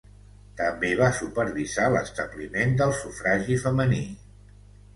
També va supervisar l'establiment del sufragi femení.